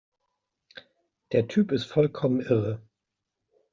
Der Typ ist vollkommen irre!